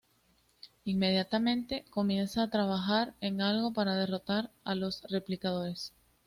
Inmediatamente, comienza a trabajar en algo para derrotar a los Replicadores.